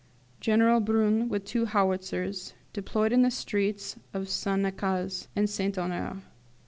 "General Brune, with two howitzers, deployed in the streets of St. Nicaise and St. Honore.